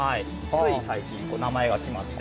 つい最近名前が決まって。